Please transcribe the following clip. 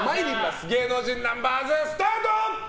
芸能人ナンバーズ、スタート！